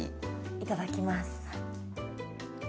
いただきます。